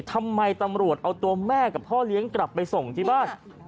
ทำไมตำรวจเอาตัวแม่กับพ่อเลี้ยงกลับไปส่งที่บ้าน